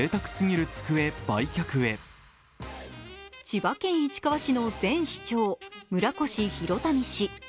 千葉県市川市の前市長、村越祐民氏。